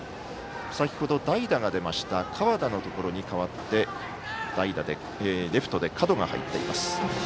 先ほど代打が出ました河田のところに代わってレフトに角が入っています。